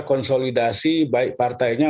konsolidasi baik partainya